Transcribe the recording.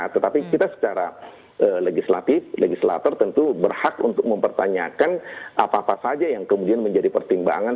tetapi kita secara legislatif legislator tentu berhak untuk mempertanyakan apa apa saja yang kemudian menjadi pertimbangan